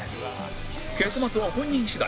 結末は本人次第！